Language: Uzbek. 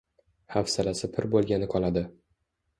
Hafsalasi pir bo’lgani qoladi.